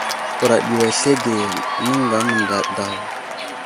Huraɗ yo aslege, nəŋga mənday daw.